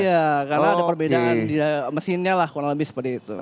iya karena ada perbedaan di mesinnya lah kurang lebih seperti itu